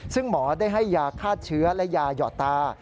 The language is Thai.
ซึ่งหมอได้ให้ยาฆ่าเชื้อและยาหยอดตา